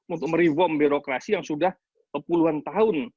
untuk mereform birokrasi yang sudah puluhan tahun